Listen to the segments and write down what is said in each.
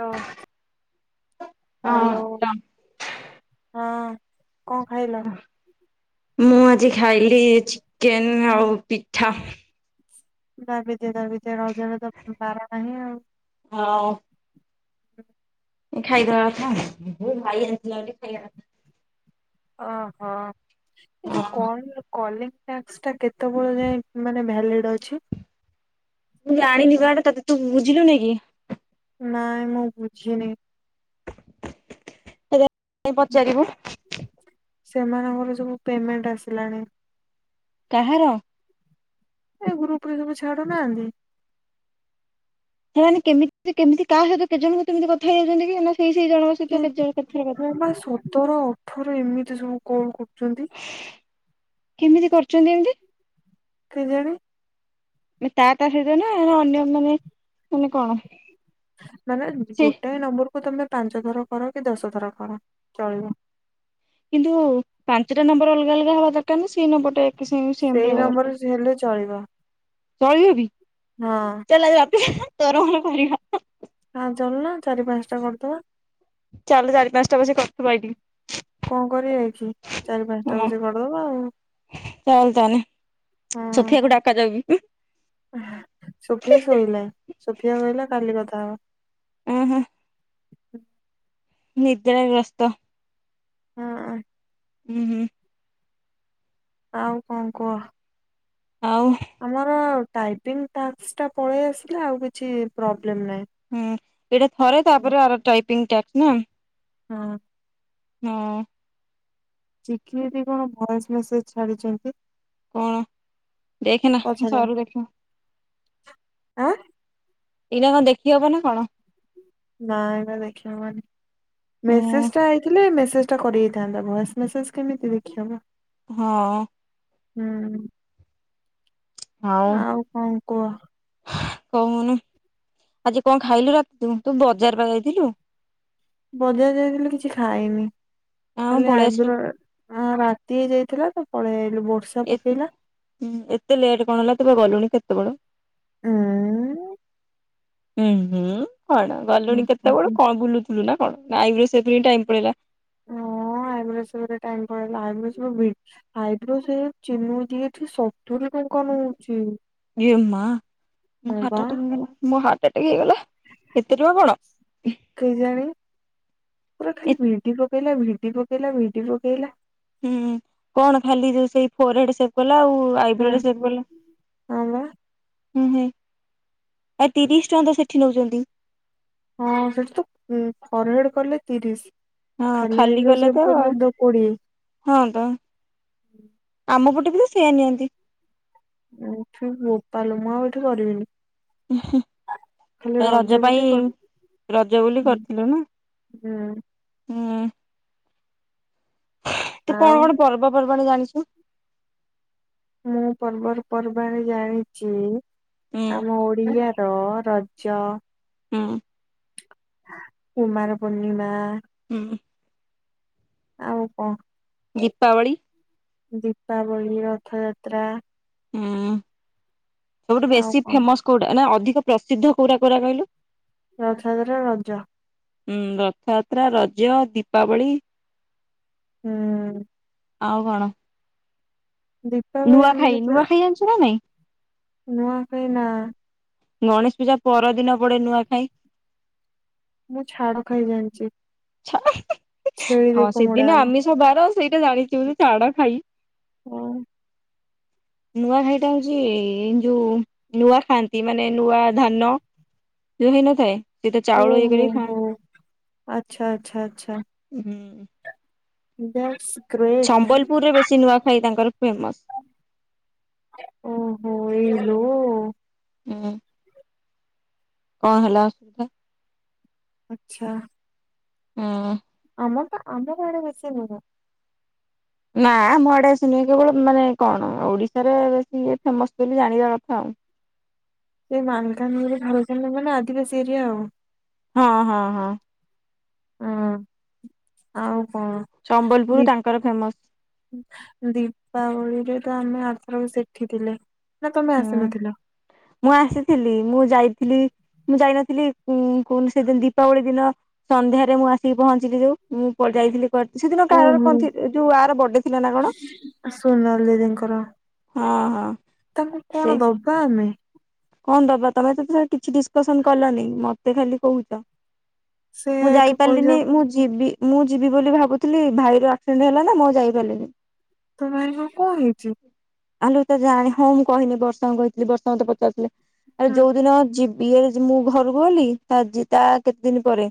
ହଁ, ହ୍ୟାଲୋ। ହଁ ହଁ କଣ ଖାଇଲୁ? ମୁଁ ଆଜି ଖାଇଲି ଚିକେନ୍‌ ଆଉ ପିଠା। ଦାବି ଦିଅ ଦାବି ଦିଅ ରଜରେ ତ ବାରା ନାହିଁ ଆଉ। ହଁ। ହୁଁ। ଖାଇଦବା କଥା ବୋଉ ଭାଇ ଆସିଲାଣି ଖାଇବା। ଓହୋ ଏ ହଁ ଯୋଉ କଲେଜ୍‌ ଟାସ୍କ କେତ କେତେବେଳେ ଯାଏଁ ମାନେ ଭ୍ୟାଲିଡ୍‌ଅଛି। ମୁଁ ଜାଣିନି ବାଟା ତତେ ତୁ ବୁଝିଲୁ ନି କି ନାଇଁ ମୁଁ ବୁଝିନି। କାଇଁ ପଚାରିବୁ? ସେମାନଙ୍କର ସବୁ ପେମେଣ୍ଟ ଆସିଲାଣି। କାହାର? ଏଇ ଗ୍ରୁପ୍ ରେ କେବେ ଛାଡ଼ୁନାହାନ୍ତି। ସେମାନେ କେମିତି କେମିତି କା ସହିତ ଜଣଙ୍କ କେମିତି କଥା ହେଇଯାଉଛନ୍ତି କି ନା ସେଇ ସେଇ ଜଣଙ୍କ ସହିତ କେ କେତେଥର କଥା ତୋର ଅଠର ଏମିତି ସବୁ କଣ କରୁଛନ୍ତି? କିମିତି କରୁଛନ୍ତି ଏମିତି? କେଜାଣି। ମାନେ ତାଆ ତାଆ ସହିତ ନା ଅନ୍ୟ ମାନେ ମାନେ କଣ? ମାନେ ସେ ଗୋଟେ ନମ୍ବରକୁୁ ତମେ ପାଞ୍ଚ ଥର କର କି ଦଶ ଥର କର ଚଳିବ। କିନ୍ତୁ ପାଞ୍ଚଟା ନମ୍ବର ଅଲଗା ଅଲଗା ହବା ଦରକାର୍ ନା ସେଇ ନମ୍ବର ଟା ନ ସେଇ ସେମ୍‌ରହିବା ଦ ନମ୍ବରରେ ରକାର୍। ହେଲେ ଚଳିବ ଚଳିବ ବି ହଁ। ଚାଲ ବାପ ତୋରଣ କରିବା। ହଁ ଚାଲୁନା ଚାରି ପାଞ୍ଚ ଟା କରିଦବା। ଚାଲ ଚାରି ପାଞ୍ଚଟା ବସି କରିଦେବା ଏଇଠି। କଅଁ କରି ଆଇଛୁ ଚାରି ପାଞ୍ଚଟା ବସି କରିଦବା ଆଉ। ଚାଲ୍ ତାହା ହେଲେ ହଁ ସୁଖିଆକୁ ଡ଼ାକା ଦେବି। ସୁଫି ଆ ଶୋଇଲାଣି। ସୁଫିଆ କହିଲା କାଲି କଥା ହବା। ଓ ହୋ। ନିଦ୍ରାଗ୍ରସ୍ତ। ହୁଁ। ହୁଁ ହୁଁ। ଆଉ କଣ କୁହ? ଆଉ ଆମର ଟାଇପିଂ ଟାସ୍କ ପଳେଇ ଆସିଲା ଆଉ କିଛି ପ୍ରୋବ୍ଲେମ୍ ନାହିଁ। ହୁଁ। ଏଇଟା ଥରେ ତାପରେ ଆର ଟାଇପିଂ ଟାସ୍କ ନା। ହୁଁ। ହୁଁ। ଚିକି ଦିଦି କଣ ଭଏସ୍ ମେସେଜ୍ ଛାଡିଛନ୍ତି। କଣ? ଦେଖନା ପଛରେ ସରୁ ଦେଖିବୁ। ଆଁ ଏଇନା କଣ ଦେଖି ହବ ନା କଣ? ନାଇଁ ବା ଦେଖି ହବନି। ଉଁ ମେସେଜ୍ ଟା ଆଇଥିଲେ ମେସେଜ୍ ଟା କରିହେଇଥାନ୍ତା। ଭଏସ୍ ମେସେଜ୍ କେମିତି ଦେଖିହବ। ହଁ। ହୁଁ। ଆଉ କଣ କୁହ କହୁନୁ, ଆଜି କଣ ଖାଇଲୁ ରା ତୁ? ତୁ ବଜାର ବା ଯାଇଥିଲୁ। ବଜାର ଯାଇଥିଲି କିଛି ଖାଇନି। କଣ ଖାଲି ପଳେଇ ଆସିଲୁ ଆଇବ୍ରୋ ହଁ ରାତି ହେଇ ଯାଇଥିଲା ତ ପଳେଇ ଆଇଲୁ। ବର୍ ଏ ଏତେ ଲେଟ୍ କଣ ହେଲା ତ ବା ଗଲୁଣି କେତେ ବେଳୁ? ଉଁ। ଉଁ ହୁଁ। କଣ ଗଲୁଣି କେତେବେଳୁ କଣ ବୁଲୁ ଥୁଲୁ ନା କଣ? ନା ଆଇବ୍ରୋ ସେଭିଂ ଟାଇମ୍ ପଳେଇଲା? ହଁ ଆଇବ୍ରୋ ସେଭ୍ ରେ ଟାଇମ୍ ପଳେଇଲା। ଆଇବ୍ରୋ ସେଭ୍ ଭି ଆଇବ୍ରୋ ସେଭ୍ ଚିନୁ ଦିଦି ଏଠି ସତୁରି ଟଙ୍କା ନଉଚି। ଇଏ ମା! ମୋ ହଁ ବା ହାର୍ଟ ଆଟାକ୍ ହେଇଗଲା ମୋ ହାର୍ଟ ଆଟାକ୍ ହେଇଗଲା। ଏତେ ଟଙ୍କା କଣ? କେଇଜାଣି? ପୁରା ଏ ଖାଲି ଭିଡି ପକେଇଲା ଭିଡି ପକେଇଲା ଭିଡି ପକେଇଲା। ହୁଁ ହୁଁ। କଣ ଖାଲି ଯୋଉ ସେଇ ଫୋରହେଡ୍ ସେଭ୍ କଲା ଆଉ ଆଇବ୍ରୋ ହଁ ଟା ସେଭ୍ କଲା। ହଁ ବା ହୁଁ ହୁଁ। ଆଉ ତିରିଶ ଟଙ୍କା ତ ସେଠି ନଉଛନ୍ତି। ହଁ ସେଠି ତ ଫରହେଡ୍ କଲେ ତିରିଶ୍। ଖାଲି ଆଇବ୍ରୋ ସେବ୍ କଲେ ତ କୋଡିଏ। ହଁ ତ। ଆମ ପଟେ ବି ତ ସେୟା ନିଅନ୍ତି। [unintelligible] ବୋପାଲୋ ମୁଁ ଆଉ ଏଠି କରିବିିନି। ଓ ହଁ ହଁ ଏ ରଜ ବୋଲି ପାଇଁ କର ରଜ ବୋଲି କରିଥିଲୁ ନା? ହୁଁ ହୁଁ। ତୁ ଆଉ କଣ କଣ ପର୍ବପର୍ବାଣି ଜାଣିଚୁ? ମୁଁ ପର୍ବର ପର୍ବାଣୀ ଜାଣିଚି ହୁଁ ଆମ ଓଡିଆ ର ରଜ ଉଁ। କୁମାର ପୂର୍ଣ୍ଣିମା। ହୁଁ। ଆଉ କଣ? ଦୀପାବଳି। ଦୀପାବଳି, ରଥଯାତ୍ରା ହୁଁ ସବୁଠୁ ଆଉ ବେଶୀ କଣ ଫେମସ୍ କୋଉଟା ନା ଅଧିକ ପ୍ରସିଦ୍ଧ କୋଉଟା କୋଉଟା କହିଲୁ? ରଥଯାତ୍ରା ରଜ। ହୁଁ ରଥଯାତ୍ରା ରଜ ଦୀପାବଳି। ହୁଁ। ଆଉ କଣ? ଦପ ନୂଆଖାଇ ନୂଆଖାଇ ଜାଣିଛୁ ନା ନାଇଁ? ନୂଆଖାଇ ନା? ଗଣେଶ ପୂଜା ପରଦିନ ପଡେ ନୂଆଖାଇ। ମୁଁ ଛାଡ ଖାଇ ଜାଣିଛି? ଛେଳି ହଁ ବେକ ମୋଡା ସେଦିନ ହବ ଆମିଷ ବାର ସେଇଟା ଜାଣିଛୁ ଛାଡ ଖାଇ। ଓ। ନୂଆ ଖାଇଟା ହଉଛି ଯୋଉ ନୂଆ ଖାଆନ୍ତି ମାନେ ନୂଆ ଧାନ ଯୋଉ ହେଇ ନଥାଏ ସେ ତ ଚାଉଳ ଓହୋ [inaudible] ହୋ ଆଚ୍ଛା ଆଚ୍ଛା ହୁଁ। ବସ୍। ସମ୍ବଲପୁରରେ ବେଶୀ ନୂଆଖାଇ ତାଙ୍କର ଫେମସ। ଓହୋ ଏଇଲୋ। ହୁଁ। କଣ ହେଲା ଅସୁବିଧା। ଆଛା। ହଁ। ଆମକୁ ଆମର ଆଡେ ବେଶୀ ନୁହ। ନା ମୁଁ ଆଡେ ଶ ନ କେବଳ ମାନେ କଣ ଓଡିଶାରେ ବେଶୀ ଫେମସ ବୋଲି ଜାଣିବା କଥା ଆଉ ସେ ମାଲକାନଗିରିରେ ଭଲ ମ ନା ଆଦିବାସୀ ଏରିଆ ଆଉ ହଁ ହଁ ହଁ। ହଁ ଆଉ କଣ? ଦି ସମ୍ବଲପୁର ତାଙ୍କର ଫେମସ। ଦୀପାବଳିରେ ତ ଆମେ ଆସକୁ ସେଠି ଥିଲେ ନା ତମେ ହୁଁ। ଆସିନଥିଲ? ମୁଁ ଆସିଥିଲି ମୁଁ ଯାଇଥିଲି ମୁଁ ଯାଇନଥିଲି କହୁନି ସେଦିନ ଦୀପାବଳି ଦିନ ସନ୍ଧ୍ୟାରେ ମୁଁ ଆସିକି ପହଞ୍ଚିଲି ଯୋଉ ମୁଁ ଯାଇଥିଲିକୁଆଡେ଼? ସେଦିନ କାହାର ଓହୋ। କଣ ଯୋଉ କାର ବର୍ଡେ ଥିଲା ନା କଣ? ଆସୁନହେଲେ। ଦିଦିଙ୍କର ହଁ ହଁ ତାଙ୍କୁ ସେ କଣ ଦବା ଆମେ? କଣ ଦବା ତମେ ତ କିଛି ଡିସକସନ କଲନି ମତେ ଖାଲି କହୁଛ? ସେ ମୁଁ ଏଠୁ ପଇସା ଯାଇପାରିଲିନି ମୁଁ ଯିବି ମୁଁ ଯିବି ବୋଲି ଭାବୁଥିଲି ଭାଇର ଆକ୍ସିଡେଣ୍ଟ ହେଲା ନା ମୁଁ ଯାଇପାରିଲିନି? ତମ ଭାଇଙ୍କର କଣ ହେଇଛି? ଆଲୋ ତ ଜାଣଣି ହଁ ମୁଁ କହିଲି ବର୍ଷାକୁ କହିଥିଲି ବର୍ଷା ମତେ ପଚାରିଲେ? ଆ ହଁ ଯୋଉ ଦିନ ଯିବି ମୁଁ ଘରକୁ ଗଲି ତା କେତେ ଦିନ ପରେ?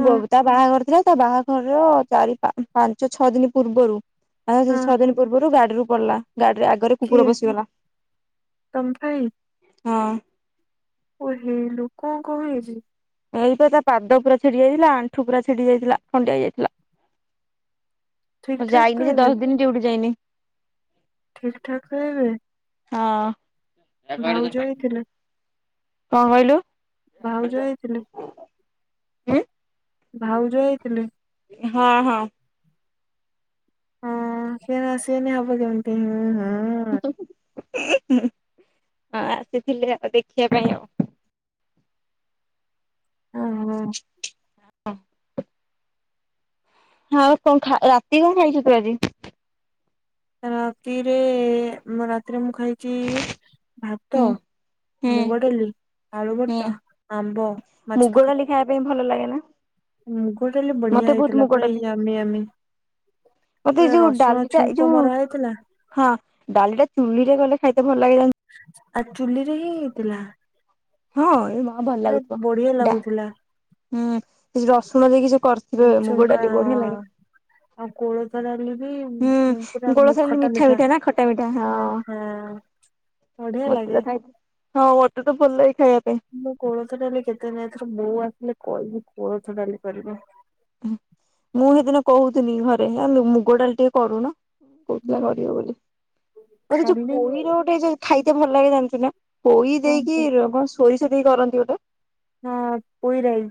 ହଁ ତା ବାହାଘର ଥିଲା ତା ବାହାଘରର ଚାରି ପାଞ୍ଚ ଛଅ ଦିନ ପୂର୍ବରୁ। ଆ ହଁ ଛଅ ଦିନ ପୂର୍ବରୁ ଗାଡିରୁ ପଡିଲା ଗାଡିରେ ଆଗରେ କୁକୁର କିଏ ପଶିଗଲା। ତମ ଭାଇ ହଁ। ଓ ହେଇଲୋ କଣ ହେଇଛି? ଏଇପା ତା ପାଦ ପୁରା ଛିଡି ଯାଇଥିଲା ଆଣ୍ଠୁ ପୁରା ଛିଡି ଯାଇଥିଲା ଖଣ୍ଡିଆ ହେଇଯାଇଥିଲା। ଠିକ [unintelligible] ଠାକ ଯାଇନି ତ [unintelligible] ଏବେ ଦଶ ଦିନ୍ ଡ୍ୟୁଟି ଯାଇନି। ଠିକ୍ ଠାକ୍ [unintelligible] ହଁ କଣ ହେଇଥିଲେ କହିଲୁ? ଭାଉଜ [unintelligible] ହଁ ଭାଉଜ ହେଇଥିଲେ? ହଁ-ହଁ। ରୋଷେଇ ବାସ୍ ହେଇନି ହବ କେମିତି ହୁଁ ହଁ। [unintelligible] ଆସିଥିଲି ଆଉ ଦେଖିବା ପାଇଁ ଆଉ। ଓହୋ। ହଁ। [unintelligible] କଣ ଖା ରାତିକି କଣ ଖାଇଚୁ ତୁ ଆଜି? ରାତିରେ ମାନେ ରାତିରେ ମୁଁ ଖାଇଚି ଭାତ ହୁଁ ହୁଁ ମୁଗ ଡାଲି, ଆଳୁ ହୁଁ ଭର୍ତା, ଆମ୍ବ, ମା ମୁଗ ଡାଲି ଖାଇବା ପାଇଁ ଭଲ ଲାଗେ ନା? ମୁଗ ଡାଲି ବଢିଆ ମତେ ବହୁତ ହେଇଥିଲା, ମୁଗ ପୁରା ଡାଲି ୟାମି-ୟାମି। ମତେ ଏଇ ପୁରା ଯୋଉ ରସୁଣ ଡାଲିଟା ଏଇ ଛୁଙ୍କ ଯୋଉ ମରା ହେଇଥିଲା ହଁ ଡାଲି ଟା ଚୁଲିରେ କଲେ ଖାଇତେ ଭଲ ଲାଗେ। ଆ ଚୁଲିରେ ହିଁ ହେଇଥିଲା। ହଁ ଏ ମ ଭଲ ପୁରା ଲାଗୁଥିବ, ବଢିଆ ଡା ଲାଗୁଥିଲା ହୁଁ କିଛି ରସୁଣ ଦେଇକି ସେ କରିଥିବେ ମୁଗ ଛୁଙ୍କା ଡାଲି ବଢି଼ଆ ଲାଗେ। ଆଉ କୋଳଥ ଡାଲି ବି ହୁଁ ଉଁ, ପୁରା [unintelligible] ମି- ଡାଲି ଖଟା ମିଠା ମିଠା-ମିଠା ନା ଖଟା ମିଠା ହଁ। ବଢି଼ଆ ମତେ ତ ଲାଗେ। ହଁ ଖାଇ ମତେ ତ ଭଲ ଲାଗେ ଖାଇଆ ପାଇଁ। ମୁଁ କୋଳଥ ଡାଲି [unintelligible] ଏଥର ବୋଉ ଆସିଲେ କହିବି କୋଳଥ ଡାଲି କରିବ। ମୁଁ ସେଇଦିନ କହୁଥିଲି ଘରେ ଜାଣିଲୁ ମୁଗ ଡାଲି ଟିକେ କରୁନ। କହୁଥିଲା ହୁଁ, କରିବ ବୋଲି, ମତେ ଯୋଉ ଖାଲି ପୋଇର ଗୋଟେ [unintelligible] ଭଲ ଲାଗେ ଜାଣିଚୁ ନା? ପୋଇ କଣ ଦେଇକି କୁ- ର କଣ ସୋରିଷ ଦେଇକି କରନ୍ତି ଗୋଟେ? ହଁ ପୋଇରାଇ।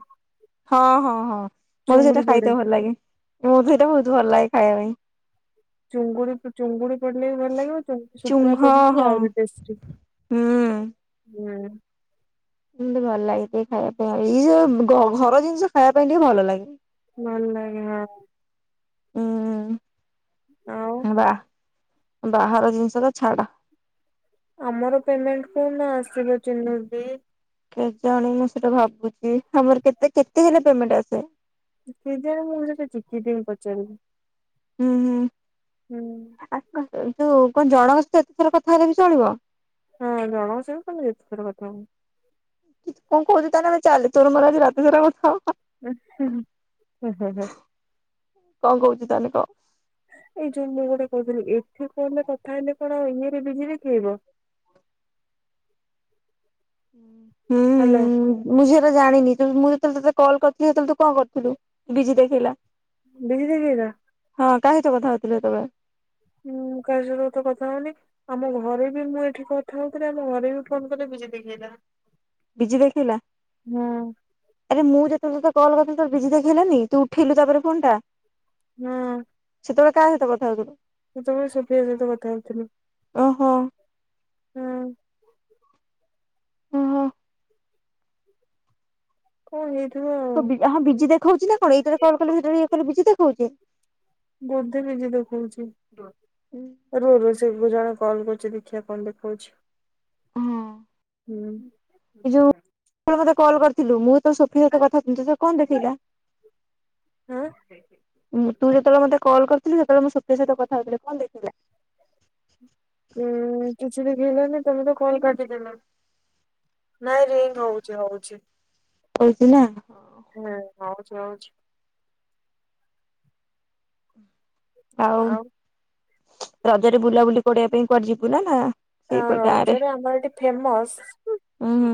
ହଁ-ହଁ-ହଁ ମତେ ସେଇଟା ପଡେ ଖାଇତେ ଭଲ ଲାଗେ, ମତେ ସେଇଟା ବହୁତ୍ ଭଲ୍ ଲାଗେ ଖାଇବା ପାଇଁ। ଚୁଙ୍ଗୁଡ଼ି-ଚୁଙ୍ଗୁଡ଼ି ପଡ଼ିଲେ ବି ଭଲ ଲାଗିବ, ଚୁଙ୍ଗ ଶୁକୁଆ ପଡ଼ିଲେ ହଁ ବି ହଁ। ଆହୁରି ଟେଷ୍ଟି। ହୁଁ ହୁଁ। ଏମ୍ତି ଭଲ୍ ଲାଗେ ଟିକେ ଖାଇବା ପାଇଁ ଆଉ, ଏଇ ଯୋଉ ଘ ଘର ଜିନିଷ ଖାଇବା ପାଇଁ ଟିକେ ଭଲ ଲାଗେ। ଭଲ ଲାଗେ ହଁ। ଆଉ ହୁଁ [unintelligible] ବା ବାହାର ଜିନିଷ ତ ଛାଡ଼। ଆମର ପେମେଣ୍ଟ କୋଉନ ଦିନ ଆସିବ [unintelligible] କେଜାଣି ମୁଁ ସେଟା ଭାବୁଚି ତମର କେତେ-କେତେ ହେଲେ ପମେଣ୍ଟ ଆସେ? କେଜାଣି ମୁଁ ସେଇଟା ଚିକି ଦେଇକି ପଚାରିବି। ହୁଁ-ହୁଁ। ହୁଁ। [unintelligible] ଯୋଉ କଣ ଜଣଙ୍କ ସହିତ ଏତେଥର କଥା ହେଲେ ବି ଚଳିବ? ହଁ ଜଣଙ୍କ ସହି ବି ତମେ ଯେତଥର କଥା ହବ। କଣ କହୁଚୁ ତାହେଲେ ଆମେ ଚାଲେ ତୋର ମୋର ଆଜି ରାତିସାରା କଥା ହବା। ଉଁ-ହୁଁ-ହୁଁ। ହୁଁ-ହୁଁ-ହୁଁ। କଣ କହୁଛୁ ତାହେଲେ କ? ଏଇ ଯୋଉ ମୁଁ ଗୋଟେ କହୁଥିଲି ଏଠୁ କଲ୍ ରେ କଥା ହେଲେ କଣ ଇଏରେ ବିଜି ଦେଖେଇବ? ହୁଁ। ହାଲୋ। ମୁଁ ସେଟା ଜାଣିନି ମୁଁ ଯେତେବେଳେ କଲ୍ କରିଥିଲି ସେତେବେଳେ ତୁ କଣ କରିଥିଲୁ ବିଜି ଦେଖେଇଲା। ବିଜି ଦେଖେଇଲା। ହଁ କାହା ସହିତ କଥା ହୋଉଥିଲ ସେତେବେଳେ? ମୁଁ କାହା ସହିତ ତ କଥା ହଉନି। ଆମ ଘରେ ବି ମୁଁ ଏଠି କଥା ହଉଥିଲି ଆମ ଘରେ ବି ଫୋନ କଲେ ବିଜି ଦେଖେଇଲା। ବିଜି ଦେଖେଇଲା। ହଁ ଆରେ ମୁଁ ଯେତେବେଳେ ତତେ କଲ୍ କରିଥିଲି ତର ବିଜି ଦେଖେଇଲାନି ତୁ ଉଠେଇଲୁ ତାପରେ ଫୋନ ଟା। ହୁଁ। ସେତେବେଳେ କାହା ସହିତ କଥା ହଉଥିଲୁ? ସେତେବେଳେ ସୋଫି ଦେଇ ସହିତ କଥା ହୋଉଥିଲି। ଓହୋ। ହୁଁ। ଓହୋ। କଣ ହେଇଥିବ? ଆଉ। ହଁ ବି ହଁ ବିଜି ଦେଖଉଚି ନା କଣ ଏଇଟାରେ କଲ୍ କଲେ ସେଇଟାରେ ଇଏ କଲେ ବିଜି ଦେଖଉଚି। ବୋଧେ ବିଜି ଦେଖଉଚି। ରୁହ ରୁହ ସେଇଥିରୁ ଜଣେ କଲ୍ କରୁଚି ଦେଖିଆ କଣ ଦେଖଉଛି ହୁଁ। ଏ ଯୋଉ ଆପଣ ମତେ କଲ୍ କରିଥିଲୁ ମୁଁ ତ ସୋଫି ସହିତ କଥାହେଉଥିଲି ତତେ କଣ ଦେଖେଇଲା? ହଁ ତୁ ଯେତେବେଳେ ମତେ କଲ୍ କରିଥିଲୁ ସେତେବେଳେ ମୁଁ ସୋଫି ସହିତ କଥା ହଉଥିଲି କଣ ଦେଖେଇଲା? ଉଁ କିଛି ଦେଖେଇଲାନି ତମେ ତ କଲ୍ କାଟି ଦେଲ। ନାଇଁ ରିଂ ହଉଛି ହଉଛି କହୁଛି ନା ହୁଁ ହଉଛି ହଉଛି। ଆଉ ରଜରେ ବୁଲାବୁଲି କଡିବା ପାଇଁ କୁଆଡେ ଯିବୁ ନା ନା? ସେଇ ଆ ରଜରେ ଆମର ଏଠି ଫେମସ। ଉଁ ହୁଁ।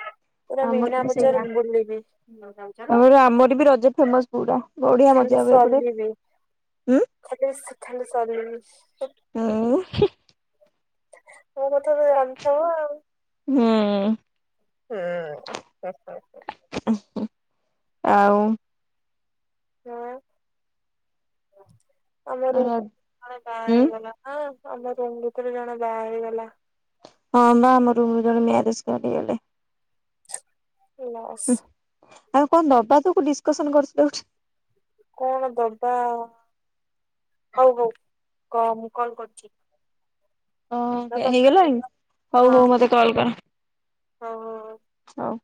ହଁ ପୁରା ଆମର ମିନା ବି ବଜାର ସେଇଆ। ବୁଲିବି। ଆମର ଆମର ବି ରଜ ଫେମସ ପୁରା ବଢିଆ ମଜା ଖାଲି ହୁଏ ଏପଟେ ସଲିବି ହୁଁ ଖାଲି ସ ଖାଲି ସଲିବି। ଉଁ ହୁଁ। ମୋ କଥାତ ଜାଣିଥବ ଆଉ। ହୁଁ। ହୁଁ ଉଁ ହୁଁ ହୁଁ। ଆଉ। ହୁଁ ଆମର। ହୁଁ। ଜଣେ ବାହା ହେଇଗଲା ହଁ ଆମ ରୁମ୍ ଭିତରୁ ଜଣେ ବାହା ହେଇଗଲା। ହଁ ବା ଆମ ରୁମ୍ ରୁ ଜଣେ ମ୍ୟାରେଜ କରିଗଲେ। ଲସ୍ ହୁଁ ଆଉ କଣ ଦବା ତାକୁ ଡିସ୍‌କସନ୍‌ କରୁଚୁ କଉଠୁ। କଣ ଦବା ହଉ ହଉ କହ ମୁଁ କଲ୍ କରୁଚି। ଓ ହେଇଗଲାଣି ହଁ ହଉ ହଉ ମତେ କଲ୍ କର। ହଉ ହଉ। ହଉ। ହୋଉ।